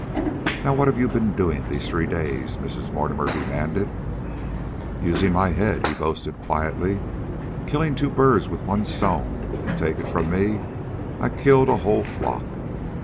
"Now what have you been doing these three days?" Mrs. Mortimer demanded. "Usin' my head," he boasted quietly. "Killin' two birds with one stone; an', take it from me, I killed a whole flock.